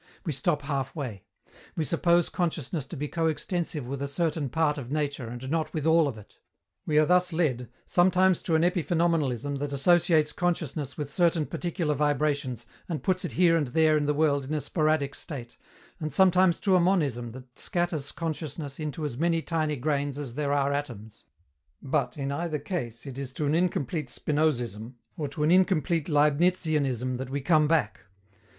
We stop half way. We suppose consciousness to be coextensive with a certain part of nature and not with all of it. We are thus led, sometimes to an "epiphenomenalism" that associates consciousness with certain particular vibrations and puts it here and there in the world in a sporadic state, and sometimes to a "monism" that scatters consciousness into as many tiny grains as there are atoms; but, in either case, it is to an incomplete Spinozism or to an incomplete Leibnizianism that we come back.